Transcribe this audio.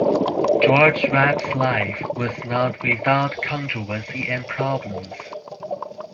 George Rapp's life was not without controversy and problems.